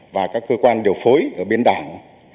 và các cơ quan điều phối ở bên đảng